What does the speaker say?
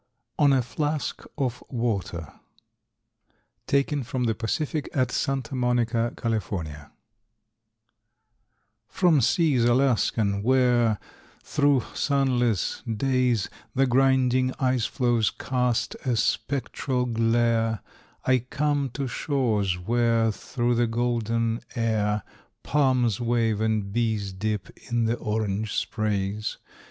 ON A FLASK OF WATER. Taken from the Pacific at Santa Monica, Cal. From seas Alaskan, where, through sunless days, The grinding ice floes cast a spectral glare, I come to shores where, through the golden air, Palms wave and bees dip in the orange sprays.